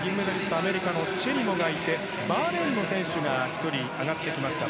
アメリカのチェリモがいてバーレーンの選手が１人上がってきました。